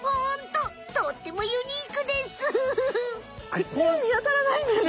とってもユニークです！